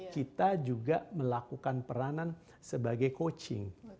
kita juga melakukan peranan sebagai coaching